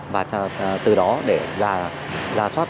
và từ đó để ra soát